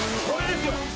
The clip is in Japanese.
これですよ。